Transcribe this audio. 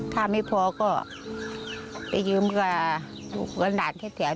ถ้าไม่พอก็ประยุ่มกับลูกหนักนแถว